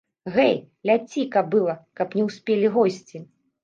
Гэй, ляці, кабыла, каб не ўспелі госці.